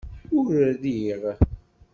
Ur riɣ